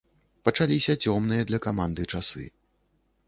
Пачаліся цёмныя для каманды часы.